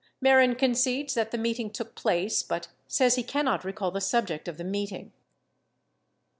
Mehren concedes that the meeting took place but says he cannot recall the subject of the meeting.